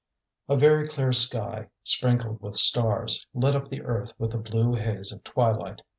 A very clear sky, sprinkled with stars, lit up the earth with the blue haze of twilight.